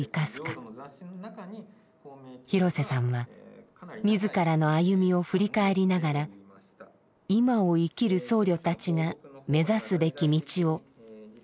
廣瀬さんは自らの歩みを振り返りながら今を生きる僧侶たちが目指すべき道を問い続けています。